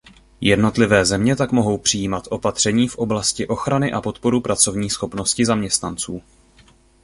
Jednotlivé země tak mohou přijímat opatření v oblasti ochrany a podporu pracovní schopnosti zaměstnanců.